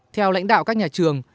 theo lãnh đạo các nhà trường